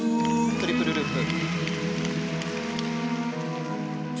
トリプルループ。